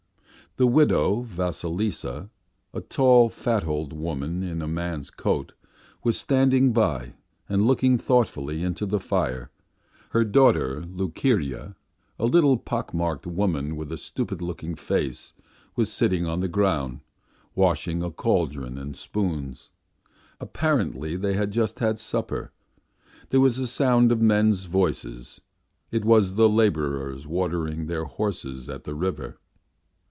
The widow Vasilisa, a tall, fat old woman in a man's coat, was standing by and looking thoughtfully into the fire; her daughter Lukerya, a little pock marked woman with a stupid looking face, was sitting on the ground, washing a caldron and spoons. Apparently they had just had supper. There was a sound of men's voices; it was the labourers watering their horses at the river.